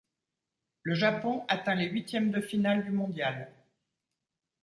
Le Japon atteint les huitièmes de finale du mondial.